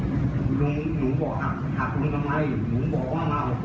อ้าวตายแล้วหลุงบอกหักหลุงทำไมหลุงบอกว่ามาหกร้อย